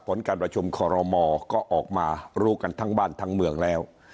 ผลการประชุมคอรมอก็ออกมารู้กันทั้งบ้านทั้งเมืองแล้ว